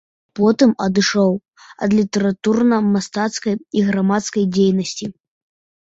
Потым адышоў ад літаратурна-мастацкай і грамадскай дзейнасці.